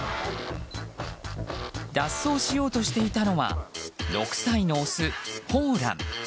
脱走しようとしていたのは６歳のオス、ホウラン。